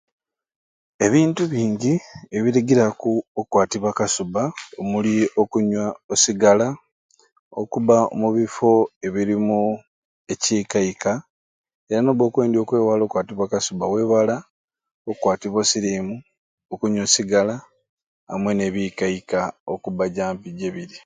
Ebintu bingi ebirugiraku okukwatibwa akasubba omuli okunywa osigala okubba omubifo ebirimu ekiikaika era nobba nga okwendya okwewala okukwatibwa akasubba wewala okukwatibwa o siriimu okunywa o sigala amwe nebiikaika okubba j'ampi gebiri.